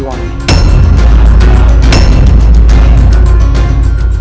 kau akan dihukum gantung